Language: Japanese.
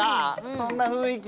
そんな雰囲気。